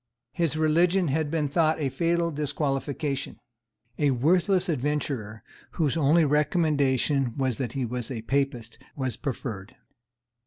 His religion had been thought a fatal disqualification. A worthless adventurer, whose only recommendation was that he was a Papist, was preferred.